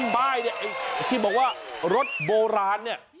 ป้ายเนี่ยไอ้ที่บอกว่ารถโบราณเนี่ย